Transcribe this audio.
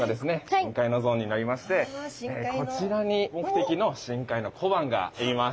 深海のゾーンになりましてこちらに目的の深海の小判がいます。